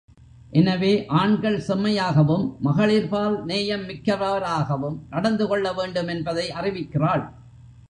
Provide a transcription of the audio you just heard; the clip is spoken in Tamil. எனவே ஆண்கள் செம்மையாகவும், மகளிர்பால் நேயம் மிக்கவராகவும் நடந்து கொள்ள வேண்டும் என்பதை அறிவிக்கிறாள்.